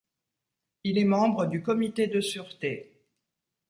Il est membre du Comité de sûreté.